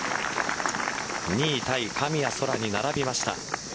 ２位タイ神谷そらに並びました。